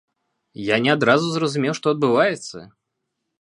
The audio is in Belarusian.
Я не адразу зразумеў, што адбываецца!